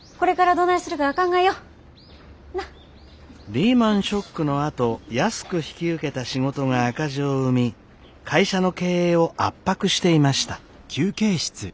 リーマンショックのあと安く引き受けた仕事が赤字を生み会社の経営を圧迫していました。